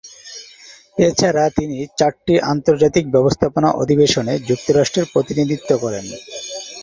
এছাড়া তিনি চারটি আন্তর্জাতিক ব্যবস্থাপনা অধিবেশনে যুক্তরাষ্ট্রের প্রতিনিধিত্ব করেন।